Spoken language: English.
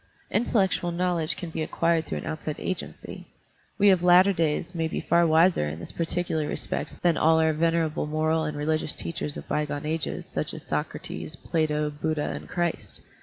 Intellectual knowl edge can be acquired through an outside agency ; we of latter days may be far wiser in this par ticular respect than all our venerable moral and religious teachers of bygone ages, such as Socrates, Plato, Buddha, and Christ.